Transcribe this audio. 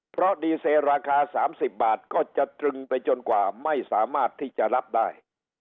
เพราะดีเซราคา๓๐บาทก็จะตรึงไปจนกว่าไม่สามารถที่จะรับได้